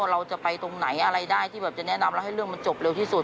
เราจะไปตรงไหนอะไรได้ที่แบบจะแนะนำแล้วให้เรื่องมันจบเร็วที่สุด